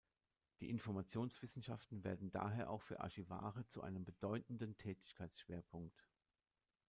Die Informationswissenschaften werden daher auch für Archivare zu einem bedeutenden Tätigkeitsschwerpunkt.